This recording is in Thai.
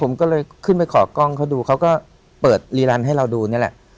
ผมก็เลยขึ้นไปขอกล้องเขาดูเขาก็เปิดรีลันให้เราดูนี่แหละ